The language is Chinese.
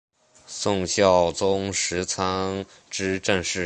宋孝宗时参知政事。